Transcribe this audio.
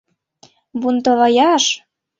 Бунтоваяш!..